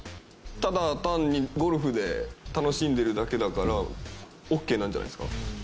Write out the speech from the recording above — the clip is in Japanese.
ただ単にゴルフで楽しんでるだけだからオッケーなんじゃないですか？